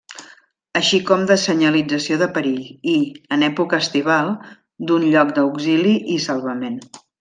Així com de senyalització de perill, i, en època estival, d'un lloc d'auxili i salvament.